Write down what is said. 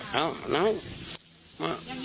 แล้วเอา